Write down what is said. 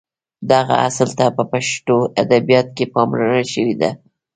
دغه اصل ته په پښتو ادبیاتو کې پاملرنه شوې ده.